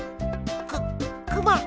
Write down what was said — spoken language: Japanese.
くくま！